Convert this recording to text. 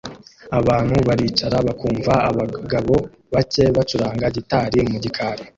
Abantu baricara bakumva abagabo bake bacuranga gitari mu gikari